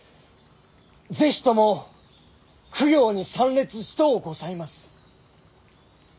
是非とも供養に参列しとうございます。